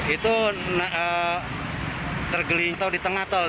itu tergelintau di tengah tol